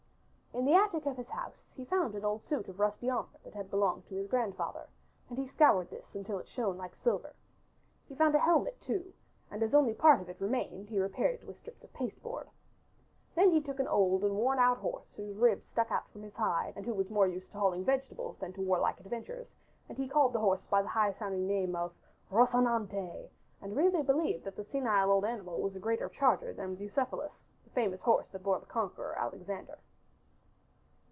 In the attic of his house he found an old suit of rusty armor that had belonged to his grandfather, and he scoured this until it shone like silver. He found a helmet too, and as only part of it remained he repaired it with strips of pasteboard. Then he took an old and worn out horse whose ribs stuck out from his hide and who was more used to hauling vegetables than to warlike adventures, and he called the horse by the high sounding name of "Rocinante," and really believed that the senile old animal was a greater charger than Bucephalus, the famous horse that bore the conqueror, Alexander.